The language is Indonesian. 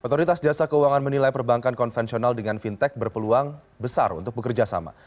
otoritas jasa keuangan menilai perbankan konvensional dengan fintech berpeluang besar untuk bekerja sama